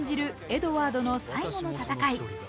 エドワードの最後の戦い。